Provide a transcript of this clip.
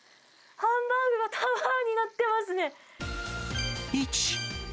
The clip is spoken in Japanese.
ハンバーグのタワーになっていますね。